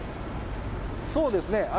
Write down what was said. そうですね。